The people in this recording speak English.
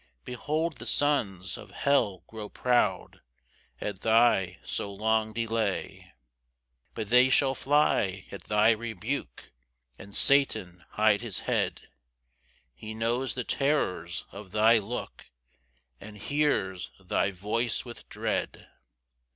Behold the sons of hell grow proud At thy so long delay. 6 But they shall fly at thy rebuke, And Satan hide his head; He knows the terrors of thy look And hears thy voice with dread.